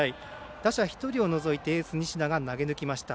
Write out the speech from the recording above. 打者１人を除いてエース、西田が投げ抜きました。